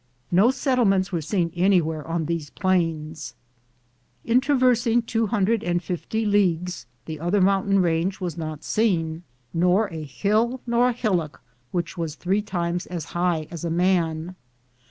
No set tlements were seen anywhere on these plains. .Google THE JOURNEY OP CORONADO la traversing 250 leagues, the other moon tain range was not seen, nor a hill nor a hillock which was three times as high as a man.